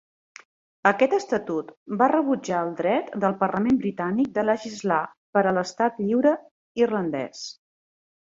Aquest estatut va rebutjar el dret del Parlament Britànic de legislar per a l'Estat Lliure Irlandès.